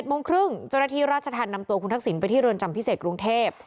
โมงครึ่งเจ้าหน้าที่ราชธรรมนำตัวคุณทักษิณไปที่เรือนจำพิเศษกรุงเทพ